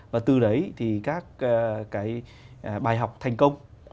và từ đấy thì các cái bài học thành công